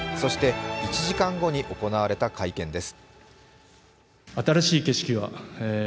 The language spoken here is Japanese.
そして１時間後に行われた会見です